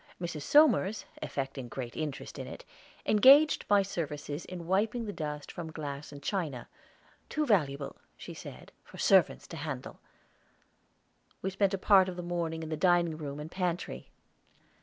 Mrs. Somers, affecting great interest in it, engaged my services in wiping the dust from glass and china; "too valuable," she said, "for servants to handle." We spent a part of the morning in the dining room and pantry.